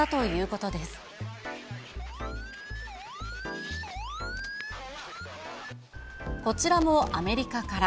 こちらもアメリカから。